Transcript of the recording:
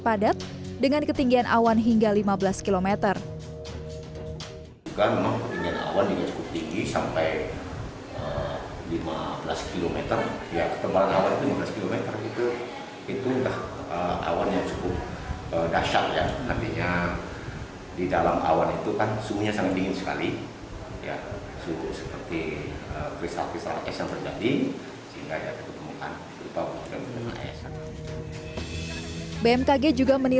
padat dengan ketinggian awan hingga lima belas km